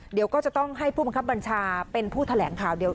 เดี๋ยวก็จะต้องให้ผู้บังคับบัญชาเป็นผู้แถลงข่าวเดียว